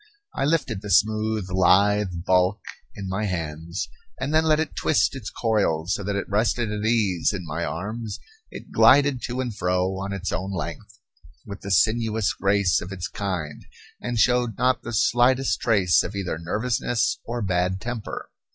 I lifted the smooth, lithe bulk in my hands, and then let it twist its coils so that it rested at ease in my arms; it glided to and fro, on its own length, with the sinuous grace of its kind, and showed not the slightest trace of either nervousness or bad temper.